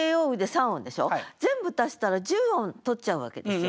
全部足したら１０音取っちゃうわけですよ。